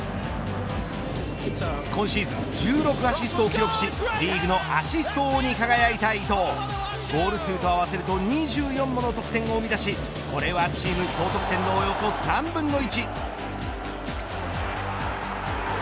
今シーズン１６アシストを記録しリーグのアシスト王に輝いた伊東ゴール数と合わせると２４のも得点を生み出しこれはチーム総得点のおよそ３分の１。